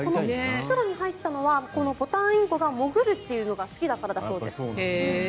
袋に入ったのはボタンインコが潜るというのが好きだからだそうです。